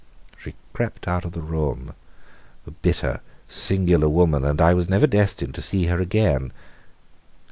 She crept out of the room, the bitter, singular woman, and I was never destined to see her again.